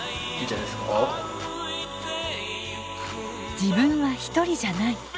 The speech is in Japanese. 自分は一人じゃない。